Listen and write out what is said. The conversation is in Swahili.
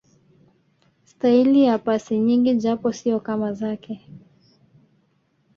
staili ya pasi nyingi japo siyo kama zake